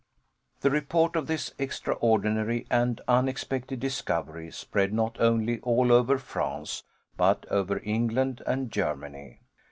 The report of this extraordinary and unexpected discovery spread not only all over France, but over England and Germany.